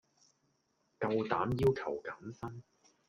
夠膽要求減薪